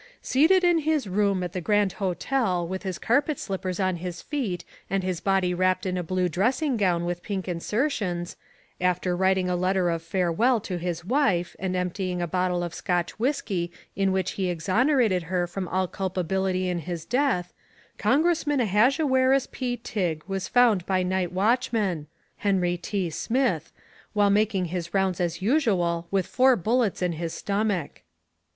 "Seated in his room at the Grand Hotel with his carpet slippers on his feet and his body wrapped in a blue dressing gown with pink insertions, after writing a letter of farewell to his wife and emptying a bottle of Scotch whisky in which he exonerated her from all culpability in his death, Congressman Ahasuerus P. Tigg was found by night watchman, Henry T. Smith, while making his rounds as usual with four bullets in his stomach."